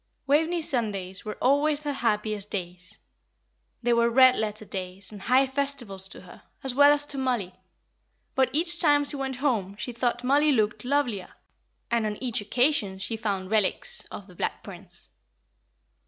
Waveney's Sundays were always her happiest days; they were red letter days and high festivals to her, as well as to Mollie; but each time she went home she thought Mollie looked lovelier, and on each occasion she found relics of the Black Prince.